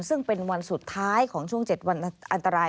ซึ่งเป็นวันสุดท้ายของช่วง๗วันอันตราย